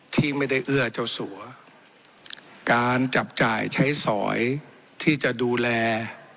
ที่ไม่ได้เอื้อเจ้าสัวการจับจ่ายใช้สอยที่จะดูแล